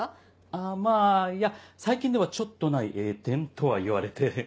あぁまぁいや最近ではちょっとない栄転とは言われて。